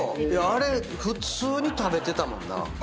あれ普通に食べてたもんな。